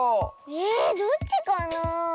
えどっちかなあ。